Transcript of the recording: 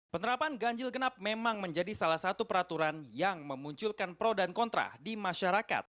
penerapan ganjil genap memang menjadi salah satu peraturan yang memunculkan pro dan kontra di masyarakat